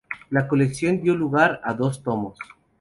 La colección dio lugar a dos tomos.